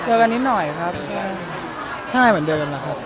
กันนิดหน่อยครับใช่เหมือนเดิมแหละครับ